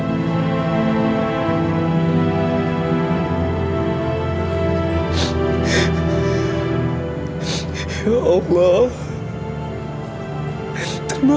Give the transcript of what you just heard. itu dokter astagfirullahaladzim blond